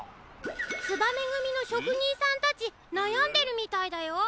つばめぐみのしょくにんさんたちなやんでるみたいだよ。